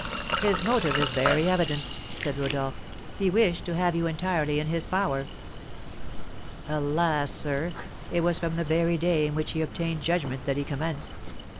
"His motive is very evident," said Rodolph; "he wished to have you entirely in his power." "Alas, sir, it was from the very day in which he obtained judgment that he commenced!